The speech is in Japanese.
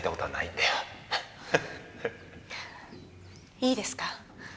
いいですか？